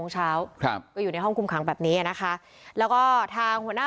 ช้าวครับก็อยู่ในห้องกลุ่มคังแบบนี้นะค่ะแล้วก็ทางผู้น่า